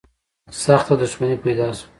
سخته دښمني پیدا شوه